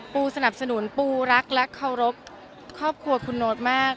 ปูสนับสนุนปูรักรักระรบคนโนสค่อครัวคุณโนสมาก